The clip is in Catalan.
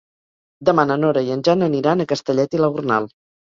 Demà na Nora i en Jan aniran a Castellet i la Gornal.